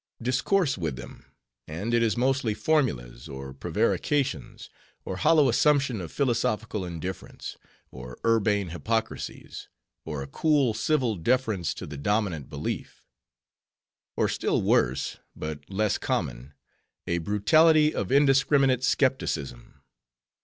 Discourse with them, and it is mostly formulas, or prevarications, or hollow assumption of philosophical indifference, or urbane hypocrisies, or a cool, civil deference to the dominant belief; or still worse, but less common, a brutality of indiscriminate skepticism.